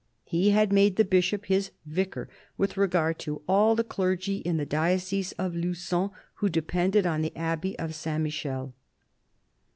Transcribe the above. He had made the Bishop his "vicar" with regard to all the clergy in the diocese of Lugon who depended on the Abbey of Saint Michel.